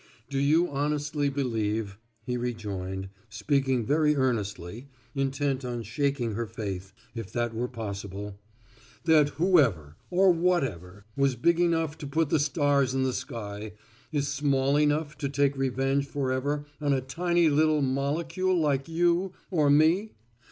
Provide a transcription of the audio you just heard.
"Do you honestly believe," he rejoined, speaking very earnestly, intent on shaking her faith, if that were possible, "that Whoever or Whatever was big enough to put the stars in the sky is small enough to take revenge forever on a tiny little molecule like you or me?